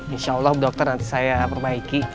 insya allah dokter nanti saya perbaiki